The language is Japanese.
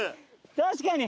確かに。